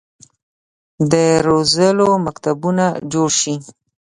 د روزلو مکتبونه جوړ شي.